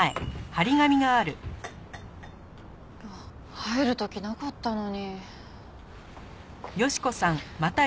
入る時なかったのに。